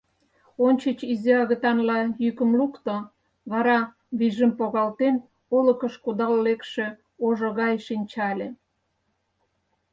Ончыч изи агытанла йӱкым лукто, вара, вийжым погалтен, олыкыш кудал лекше ожо гай шинчале.